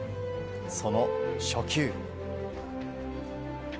その初球。